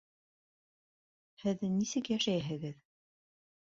Һеҙ нисек йәшәйһегеҙ?